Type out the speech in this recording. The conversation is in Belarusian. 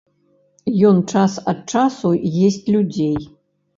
Ён час ад часу есць людзей.